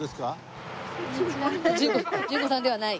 順子さんではない。